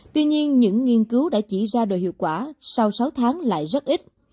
tuy nhiên những nghiên cứu đã chỉ ra đồ hiệu quả sau sáu tháng lại rất ít